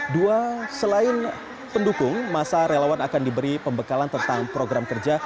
dua selain pendukung masa relawan akan diberi pembekalan tentang program kerja